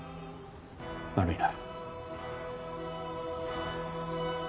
悪いな。